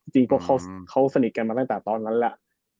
จริงก็เขาสนิทกันมาตั้งแต่ตอนนั้นแหละ